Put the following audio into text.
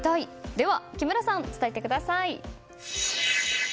では木村さん、伝えてください。